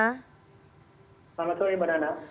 selamat sore ibu nana